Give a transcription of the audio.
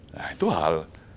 nah itu hal